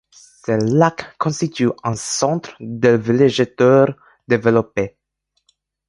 Ce lac constitue un centre de villégiature développé.